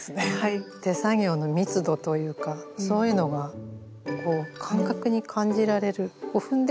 手作業の密度というかそういうのが感覚に感じられる。